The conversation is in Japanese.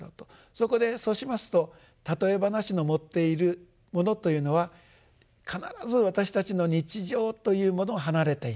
そこでそうしますと譬え話の持っているものというのは必ず私たちの日常というものを離れていない。